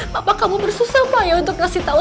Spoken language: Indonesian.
papa kamu bersusah payah untuk kasih tau